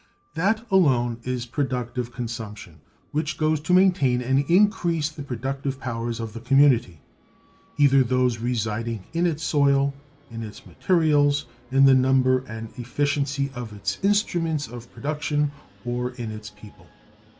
That alone is productive consumption which goes to maintain and increase the productive powers of the community; either those residing in its soil, in its materials, in the number and efficiency of its instruments of production, or in its people.